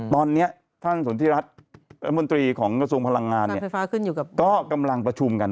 ตอนนี้ท่านสนทิรัฐรัฐมนตรีของกระทรวงพลังงานเนี่ยก็กำลังประชุมกัน